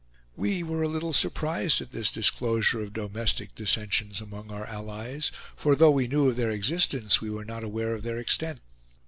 We were a little surprised at this disclosure of domestic dissensions among our allies, for though we knew of their existence, we were not aware of their extent.